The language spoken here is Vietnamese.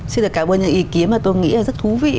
xin được cảm ơn những ý kiến mà tôi nghĩ là rất thú vị